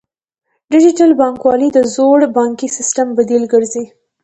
ډیجیټل بانکوالي د زوړ بانکي سیستم بدیل ګرځي.